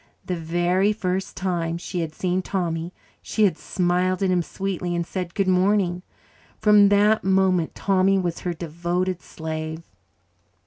The very first time she had seen Tommy she had smiled at him sweetly and said, "Good morning." From that moment Tommy was her devoted slave.